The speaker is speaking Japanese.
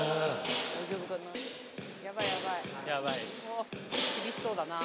厳しそうだな。